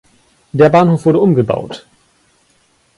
Der Bahnhof wurde umgebaut.